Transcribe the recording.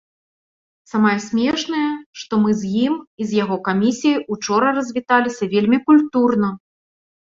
Самае смешнае, што мы з ім і з яго камісіяй учора развіталіся вельмі культурна.